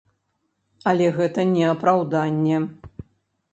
Але гэта не апраўданне.